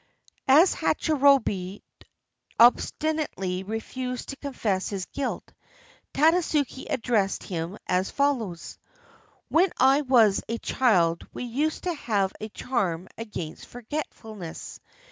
] As Hachirobei obstinately refused to confess his guilt, Tadasuke addressed him as follows: "When I was a child, we used to have a charm against forge tfulness.